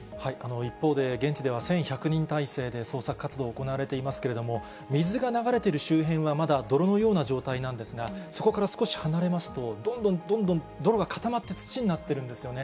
一方で、現地では１１００人態勢で捜索活動が行われていますけれども、水が流れている周辺はまだ泥のような状態なんですが、そこから少し離れますと、どんどんどんどん、泥が泥が固まって、土になっているんですよね。